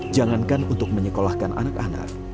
jangankan untuk menyekolahkan anak anak